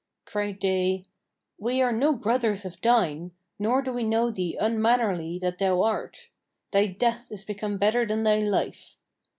Cried they, "We are no brothers of thine, nor do we know thee unmannerly that thou art! Thy death is become better than thy life."